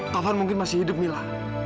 tovan mungkin masih hidup mila